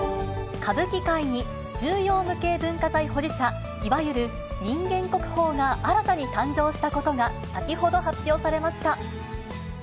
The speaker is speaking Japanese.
歌舞伎界に、重要無形文化財保持者、いわゆる人間国宝が新たに誕生したことが先ほど発表されました。